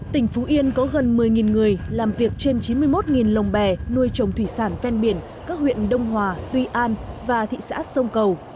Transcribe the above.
tỉnh phú yên có gần một mươi người làm việc trên chín mươi một lồng bè nuôi trồng thủy sản ven biển các huyện đông hòa tuy an và thị xã sông cầu